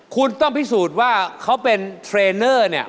คุณต้องพิสูจน์ว่าเขาเป็นเทรนเนอร์เนี่ย